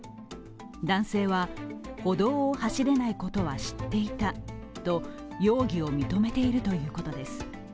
男性は、歩道を走れないことは知っていたと、容疑を認めているということです。